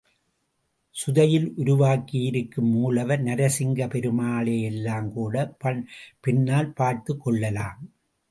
சுதையில் உருவாகியிருக்கும் மூலவர் நரசிங்கப் பெருமாளையெல்லாங்கூடப் பின்னால் பார்த்துக் கொள்ளலாம்.